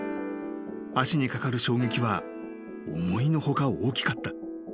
足にかかる衝撃は思いの外大きかった］